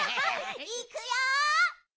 いくよ！